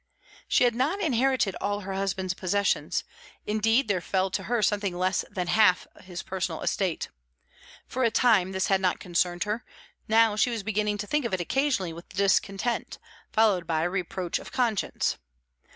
She had not inherited all her husband's possessions; indeed, there fell to her something less than half his personal estate. For a time, this had not concerned her; now she was beginning to think of it occasionally with discontent, followed by reproach of conscience.